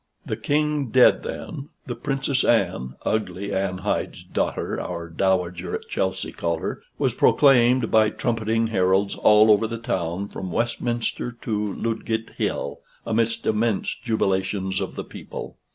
The King dead then, the Princess Anne (ugly Anne Hyde's daughter, our Dowager at Chelsey called her) was proclaimed by trumpeting heralds all over the town from Westminster to Ludgate Hill, amidst immense jubilations of the people.